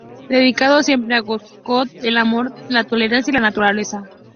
Dedicado siempre a Woodstock, al amor, la tolerancia y la naturaleza.